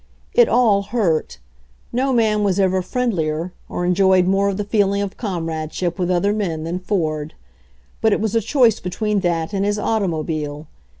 It all hurt. No man was ever friendlier, or enjoyed more the feeling of comradeship with other men than Ford. But it was a choice be tween that and his automobile.